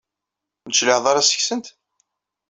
Ur d-tecliɛeḍ ara seg-sent?